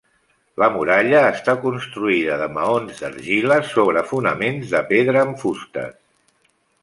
La muralla està construïda de maons d'argila, sobre fonaments de pedra amb fustes.